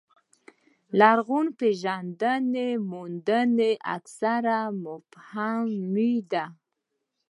د لرغونپېژندنې موندنې اکثره مبهمې دي.